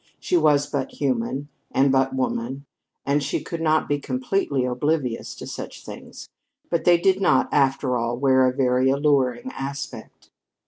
She was but human and but woman and she could not be completely oblivious to such things. But they did not, after all, wear a very alluring aspect.